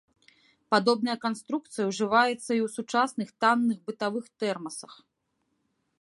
Падобная канструкцыя ўжываецца і ў сучасных танных бытавых тэрмасах.